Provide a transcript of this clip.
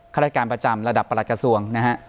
ฆาตการประจำระดับประหลักกระทรวงนะฮะ